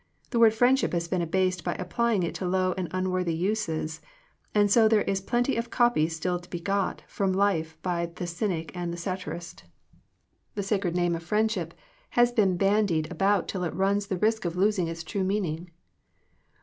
The word friendship has been abased by applying it to low and unworthy uses, and so there is plenty of copy still to be got from life by the cynic and the satirist The sacred name of friend has been ban 39 Digitized by VjOOQIC THE CULTURE OF FRIENDSHIP died about till it runs the risk of losing its true meaning.